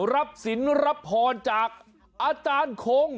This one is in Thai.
รับสินรับพรจากอาจารย์คง